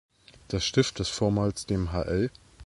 Das Stift, das vormals dem Hl.